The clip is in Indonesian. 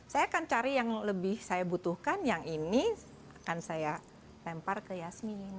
saya akan cari yang lebih saya butuhkan yang ini akan saya lempar ke yasmin